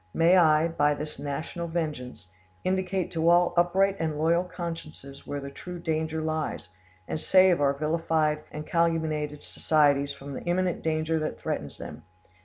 May I, by this national vengeance, indicate to all upright and loyal consciences where the true danger lies, and save our vilified and calumniated societies from the imminent danger that threatens them!